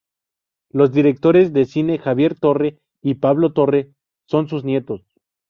Los directores de cine Javier Torre y Pablo Torre son sus nietos.